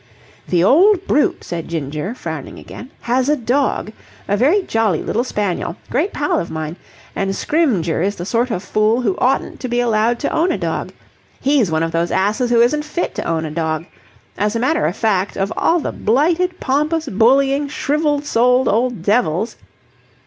"The old brute," said Ginger, frowning again, "has a dog. A very jolly little spaniel. Great pal of mine. And Scrymgeour is the sort of fool who oughtn't to be allowed to own a dog. He's one of those asses who isn't fit to own a dog. As a matter of fact, of all the blighted, pompous, bullying, shrivelled souled old devils..."